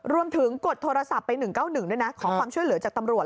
กดโทรศัพท์ไป๑๙๑ด้วยนะขอความช่วยเหลือจากตำรวจ